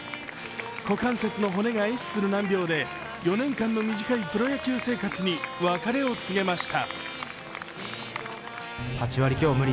股関節の骨がえ死する難病で４年間の短いプロ野球生活に別れを告げました。